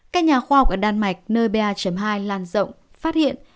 các nhà khoa học ở đan mạch nơi ba hai lan rộng phát hiện